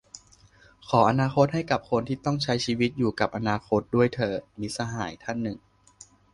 "ขออนาคตให้กับคนที่ต้องใช้ชีวิตอยู่กับอนาคตด้วยเถิด" - มิตรสหายท่านหนึ่ง